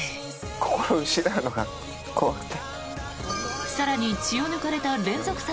こころを失うのが怖くて。